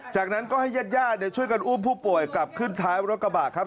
จากนั้นก็ให้ญาติญาติช่วยกันอุ้มผู้ป่วยกลับขึ้นท้ายรถกระบะครับ